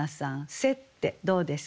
「背」ってどうですか？